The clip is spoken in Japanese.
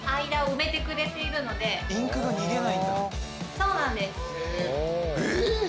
そうなんです。